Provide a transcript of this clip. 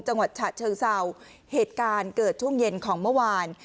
จังหวัดฉะเชิงเศร้าเหตุการณ์เกิดช่วงเย็นของเมื่อวาน